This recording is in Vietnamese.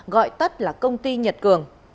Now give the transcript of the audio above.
gọi tắt là công ty nhật cường